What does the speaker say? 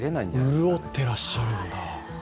潤ってらっしゃるんだ。